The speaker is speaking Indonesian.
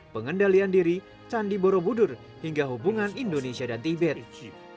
pengendalian diri candi borobudur hingga hubungan indonesia dan tiberi